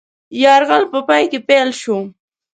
یرغل په پای کې پیل شو.